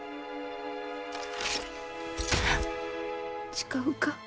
誓うか？